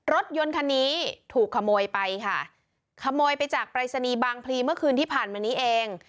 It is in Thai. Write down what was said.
รถยนต์คันนี้ถูกขโมยไปค่ะขโมยไปจากปรายศนีย์บางพลีเมื่อคืนที่ผ่านมานี้เอง